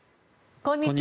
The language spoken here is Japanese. こんにちは。